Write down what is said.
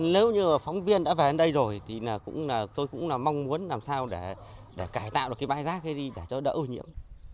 nếu như phóng viên đã về đến đây rồi tôi cũng mong muốn làm sao để cải tạo được cái bãi rác này đi để đỡ ưu nhiễm